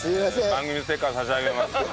番組ステッカー差し上げます。